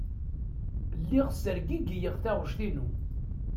Lliɣ ssergigiyeɣ taɣect-inu.